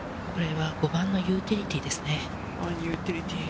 ５番のユーティリティーですね。